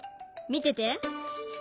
見てて。